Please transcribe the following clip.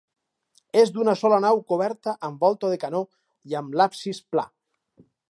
És d'una sola nau coberta amb volta de canó i amb l'absis pla.